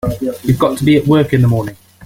You've got to be at work in the morning.